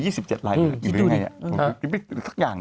๕๐ปีมี๒๗รายอยู่ด้วยไงสักอย่าง